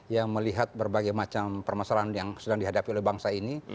yang melihat berbagai macam permasalahan yang sedang dihadapi oleh bangsa ini